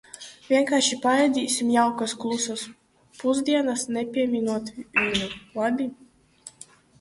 Vienkārši paēdīsim jaukas, klusas pusdienas, nepieminot viņu, labi?